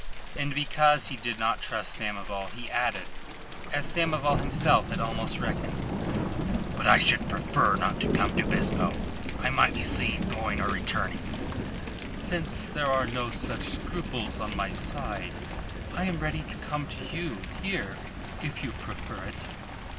And because he did not trust Samoval he added, as Samoval himself had almost reckoned: "But I should prefer not to come to Bispo. I might be seen going or returning." "Since there are no such scruples on my side, I am ready to come to you here if you prefer it."